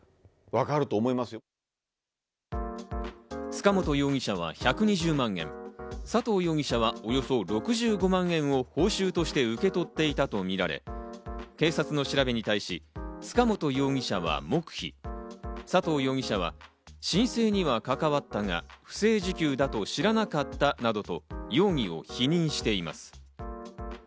塚本容疑者は１２０万円、佐藤容疑者はおよそ６５万円を報酬として受け取っていたとみられ、警察の調べに対し、塚本容疑者は黙秘、佐藤容疑者は申請にはかかわったが、不正受給だと知らなかったなどと容疑を否認しています。